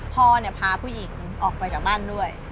พ่อพาผู้หญิงออกไปจากบ้านด้วย